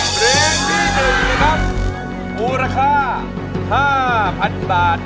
เพลงที่๑โอราคา๕๐๐๐บาท